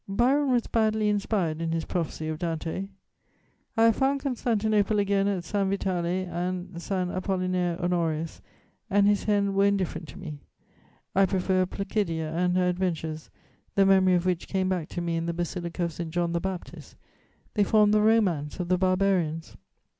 Byron was badly inspired in his Prophecy of Dante. [Sidenote: At Ravenna.] "I have found Constantinople again at San Vitale and San Apollinare. Honorius and his hen were indifferent to me; I prefer Placidia and her adventures, the memory of which came back to me in the basilica of St. John the Baptist: they form the romance of the Barbarians.